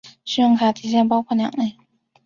信用卡提现包括两类。